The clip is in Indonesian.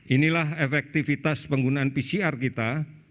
inilah efektivitas penggunaan pcr kita